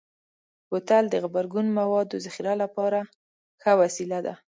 بوتل د غبرګون موادو ذخیره لپاره ښه وسیله ده.